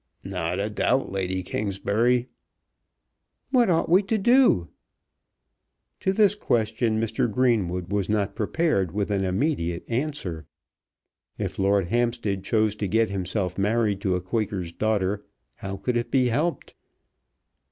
"Not a doubt, Lady Kingsbury." "What ought we to do?" To this question Mr. Greenwood was not prepared with an immediate answer. If Lord Hampstead chose to get himself married to a Quaker's daughter, how could it be helped?